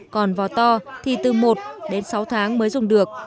còn vò to thì từ một đến sáu tháng mới dùng được